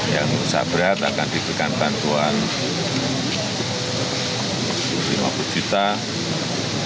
yang rusak berat yang rusak sedang yang rusak ringan yang rusak sedang